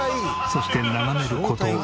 そして眺める事